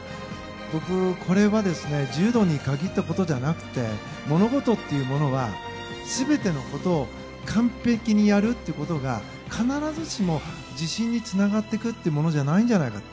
僕、これは柔道に限ったことじゃなくて物事というものは、全てのことを完璧にやるということが必ずしも自信につながっていくというものじゃないんじゃないかって。